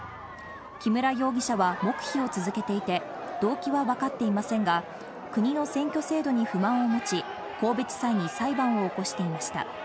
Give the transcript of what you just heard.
木村容疑者は黙秘を続けていて、動機はわかっていませんが、国の選挙制度に不満を持ち、神戸地裁に裁判を起こしていました。